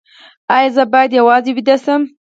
ایا زه باید یوازې ویده شم؟